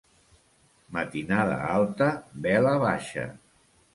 Matinada alta, vela baixa.